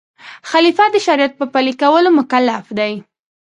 خلیفه د شریعت په پلي کولو مکلف دی.